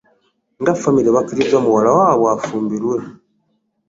Nga famire bakkiriza muwala waabwe afumbirwe.